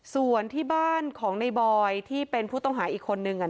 ส่วนที่บ้านของในบอยที่เป็นผู้ต้องหาอีกคนนึง